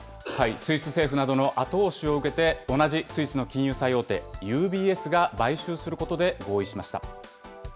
スイス政府などの後押しを受けて、同じスイスの金融最大手、ＵＢＳが買収することで合意しました。